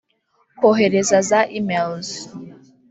kohereza za e-mails